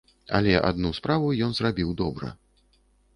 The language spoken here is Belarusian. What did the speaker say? Але адну справу ён зрабіў добра.